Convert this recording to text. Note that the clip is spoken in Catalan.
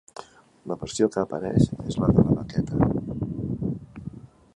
La versió que apareix és la de la maqueta.